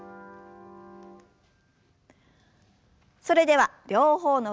それでは両方の腕を前に。